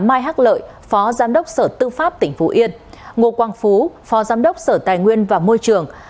mai hác lợi phó giám đốc sở tư pháp tp yên ngô quang phú phó giám đốc sở tài nguyên và môi trường